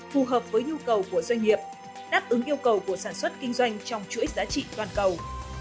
phù hợp với nhu cầu của doanh nghiệp đáp ứng yêu cầu của sản xuất kinh doanh trong chuỗi giá trị toàn cầu